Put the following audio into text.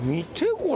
これ。